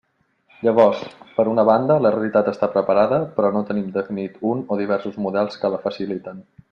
Llavors, per una banda, la realitat està preparada, però no tenim definit un o diversos models que la faciliten.